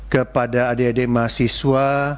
kepada adik adik mahasiswa